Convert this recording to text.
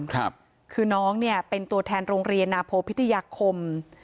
คือน้องเนี่ยเป็นตัวแทนโรงเรียนนาโพพิทยาคม